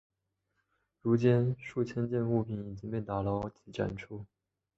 如今数千件物品已经被打捞及展出。